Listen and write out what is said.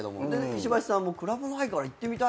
石橋さんも「クラブないから行ってみたい」